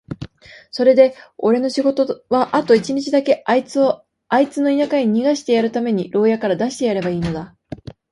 それでおれの仕事はあと一日だけ、あいつをあいつの田舎へ逃してやるために牢屋から出してやればいいのだ。